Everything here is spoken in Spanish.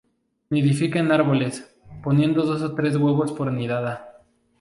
Nidifica en árboles, poniendo dos o tres huevos por nidada.